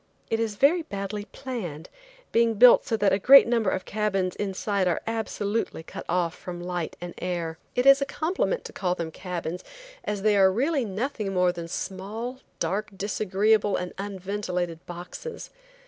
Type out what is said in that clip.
It is very badly planned, being built so that a great number of cabins inside are absolutely cut off from light and air. It is a compliment to call them cabins as they are really nothing more than small, dark, disagreeable, and unventilated boxes.